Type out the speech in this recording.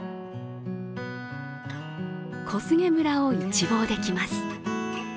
小菅村を一望できます。